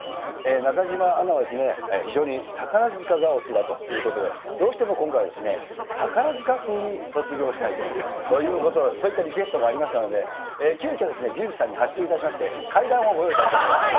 中島アナは、非常に宝塚がお好きだということで、どうしても今回、宝塚風に卒業したいということ、そういったリクエストがありましたので、急きょ、美術さんに発注いたしまして、階段をご用意させていただきました。